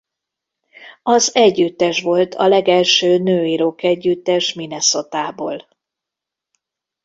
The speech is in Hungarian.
Az együttes volt a legelső női rockegyüttes Minnesotából.